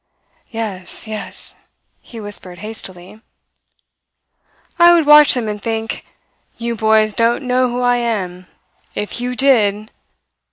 "Yes, yes," he whispered hastily. "I would watch them and think: 'You boys don't know who I am. If you did